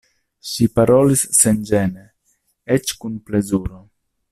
Ŝi parolis senĝene, eĉ kun plezuro.